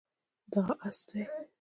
دا اس دی